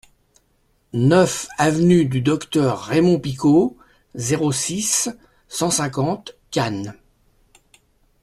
neuf avenue du Docteur Raymond Picaud, zéro six, cent cinquante, Cannes